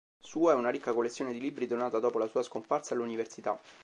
Sua è una ricca collezione di libri donata dopo la sua scomparsa all'università.